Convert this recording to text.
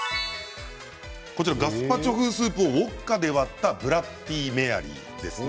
ガスパチョ風スープをウォッカで割ったブラッディ・メアリーです。